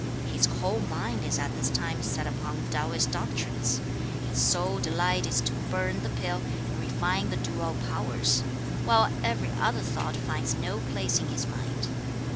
His whole mind is at this time set upon Taoist doctrines; his sole delight is to burn the pill and refine the dual powers; while every other thought finds no place in his mind.